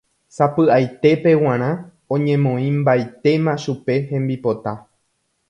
Sapy'aitépe g̃uarã oñemoĩmbaitéma chupe hembipota.